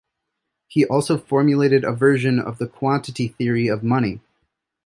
He also formulated a version of the quantity theory of money.